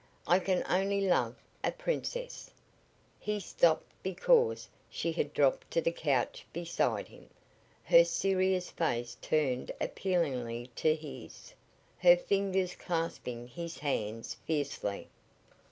I can only love a princess!" He stopped because she had dropped to the couch beside him, her serious face turned appealingly to his, her fingers clasping his hands fiercely.